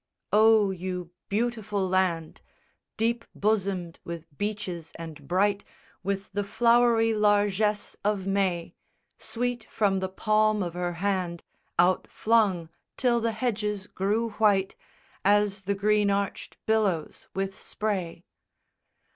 SONG I _O, you beautiful land, Deep bosomed with beeches and bright With the flowery largesse of May Sweet from the palm of her hand Out flung, till the hedges grew white As the green arched billows with spray.